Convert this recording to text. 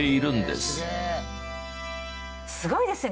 すごいですね。